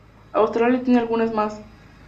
Australia tiene algunas más.